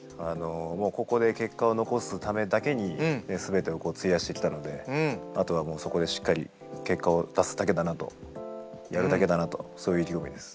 もうここで結果を残すためだけに全てを費やしてきたのであとはもうそこでしっかり結果を出すだけだなとやるだけだなとそういう意気込みです。